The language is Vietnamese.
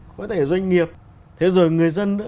có thể doanh nghiệp thế rồi người dân đó